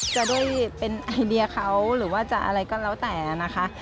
จะได้เป็นไอเดียเขาหรือว่าจะอะไรก็แล้วแต่นะคะ